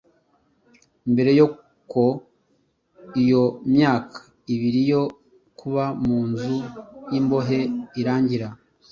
Mbere y’uko iyo myaka ibiri yo kuba mu nzu y’imboye irangira,